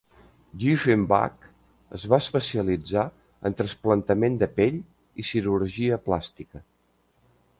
Dieffenbach es va especialitzar en trasplantament de pell i cirurgia plàstica.